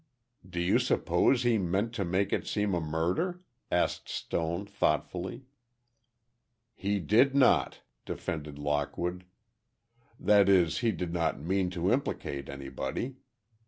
"Do you suppose he meant to make it seem a murder?" asked Stone, thoughtfully. "He did not!" defended Lockwood. "That is he did not mean to implicate anybody.